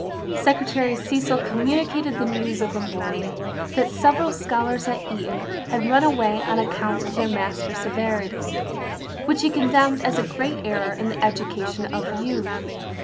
Secretary Cecil communicated the news of the morning, that several scholars at Eton had run away on account of their master's severity, which he condemned as a great error in the education of youth.